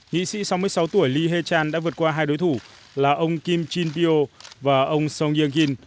nghị sĩ sáu mươi sáu tuổi lee hae chan đã vượt qua hai đối thủ là ông kim jin pyo và ông song yeong in